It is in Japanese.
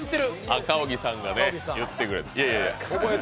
赤荻さんが言ってくれた。